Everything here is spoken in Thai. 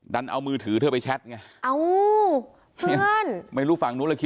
ดันเอามือถือเธอไปแชทไง